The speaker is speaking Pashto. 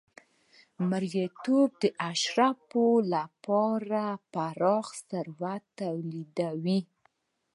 مریتوب د اشرافو لپاره پراخ ثروت تولیدوي.